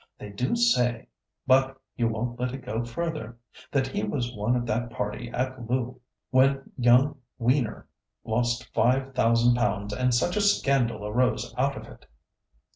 They do say—but you won't let it go further—that he was one of that party at loo when young Weener lost five thousand pounds, and such a scandal arose out of it."